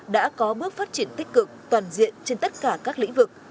đã có bước phát triển tích cực toàn diện trên tất cả các lĩnh vực